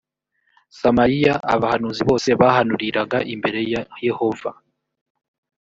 samariya abahanuzi bose bahanuriraga imbere ya yehova